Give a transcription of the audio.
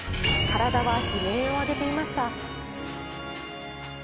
体は悲鳴を上げていました。